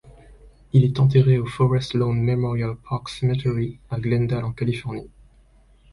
Il est enterré au Forest Lawn Memorial Park Cemetery à Glendale en Californie.